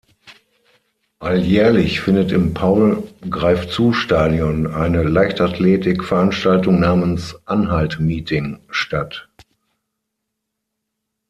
Alljährlich findet im Paul-Greifzu-Stadion eine Leichtathletik-Veranstaltung namens "Anhalt-Meeting" statt.